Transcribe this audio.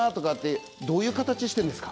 駒村さんどういう形してるんですか？